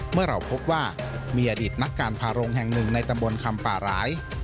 เมื่อเราพบว่ามีอดีตนักการพาโรงแห่งหนึ่งในตำบลคำป่าหลาย